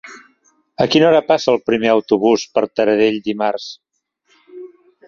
A quina hora passa el primer autobús per Taradell dimarts?